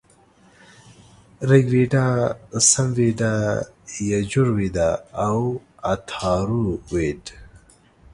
ریګ وید، سمویدا، یجوروید او اتارو وید -